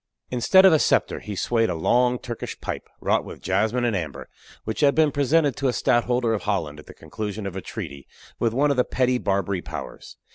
Instead of a scepter, he swayed a long Turkish pipe, wrought with jasmine and amber, which had been presented to a stadtholder of Holland at the conclusion of a treaty with one of the petty Barbary powers.